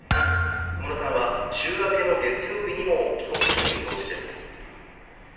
小室さんは週明けの月曜日にも帰国する見通しです。